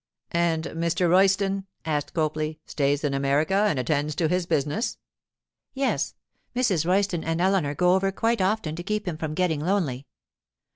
'And Mr. Royston,' asked Copley, 'stays in America and attends to his business?' 'Yes; Mrs. Royston and Eleanor go over quite often to keep him from getting lonely.